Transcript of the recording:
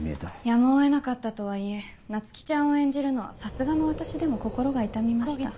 やむを得なかったとはいえ菜月ちゃんを演じるのはさすがの私でも心が痛みました。